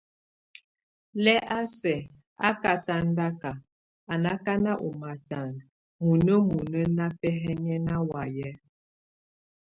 Lɛ́ a sɛk á katandak a nákan o matand muinemuine nábɛhɛŋɛna waye.